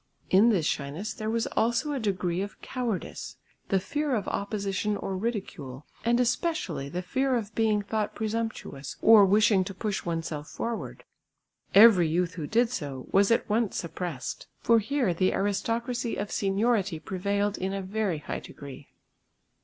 In this shyness there was also a degree of cowardice, the fear of opposition or ridicule, and especially the fear of being thought presumptuous or wishing to push oneself forward. Every youth who did so, was at once suppressed, for here the aristocracy of seniority prevailed in a very high degree.